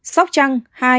sóc trăng hai